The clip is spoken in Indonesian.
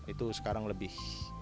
itu sekarang lebih